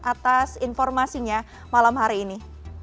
atas informasinya malam hari ini